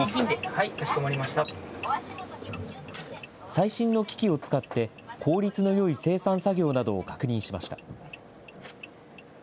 最新の機器を使って、効率のよい精算作業などを確認しました。